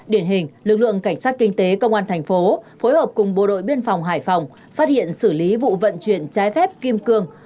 điển hình lực lượng cảnh sát kinh tế công an thành phố phối hợp cùng bộ đội biên phòng hải phòng phát hiện xử lý vụ vận chuyển trái phép kim cương